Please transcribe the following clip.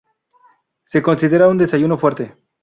Se considera un desayuno fuerte.